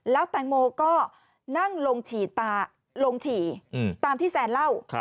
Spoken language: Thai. แล้วแตงโมก็นั่งลงฉี่ตาลงฉี่ตามที่แซนเล่า